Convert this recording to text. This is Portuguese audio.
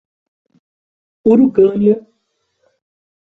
Urucânia